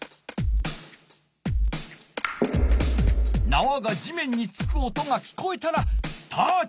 なわが地面に着く音が聞こえたらスタート。